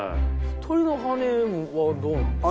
鳥の羽根はどうなんですか？